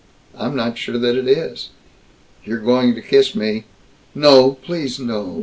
I'm not sure that it is " "You're going to kiss me!" "No! Please no!